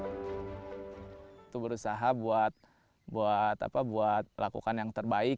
saya berusaha untuk melakukan yang terbaik